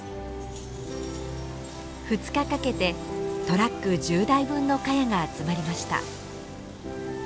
２日かけてトラック１０台分のカヤが集まりました。